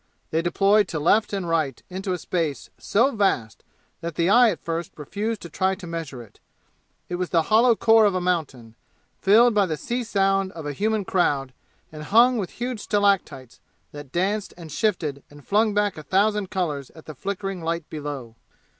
They deployed to left and right into a space so vast that the eye at first refused to try to measure it. It was the hollow core of a mountain, filled by the sea sound of a human crowd and hung with huge stalactites that danced and shifted and flung back a thousand colors at the flickering light below.